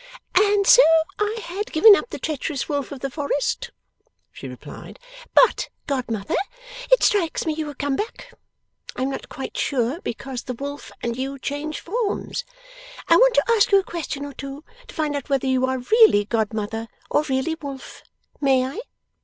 'And so I had given up the treacherous wolf of the forest,' she replied; 'but, godmother, it strikes me you have come back. I am not quite sure, because the wolf and you change forms. I want to ask you a question or two, to find out whether you are really godmother or really wolf. May I?